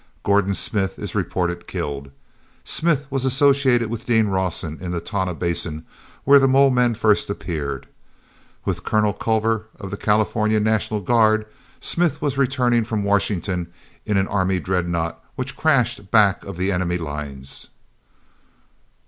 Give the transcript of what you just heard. Gordon Smith is reported killed. Smith was associated with Dean Rawson in the Tonah Basin where the mole men first appeared. With Colonel Culver of the California National Guard, Smith was returning from Washington in an Army dreadnought which crashed back of the enemy's lines."